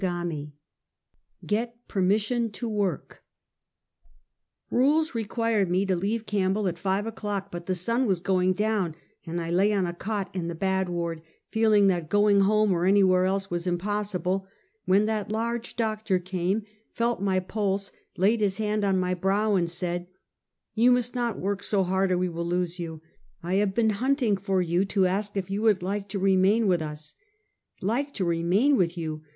CHAPTEE LIY. GET PERMISSION TO WORK, Rules required me to leave Campbell at five o'clock, but the sun was going down, and I lay on a cot, in the bad ward, feeling that going home, or anywhere else, was impossible, when that large doctor came, felt my pulse, laid his hand on my brow, and said : "You must not work so hard or we will lose you! I have been hunting for you to ask if you would like to remain with us?" " Like to remain with you?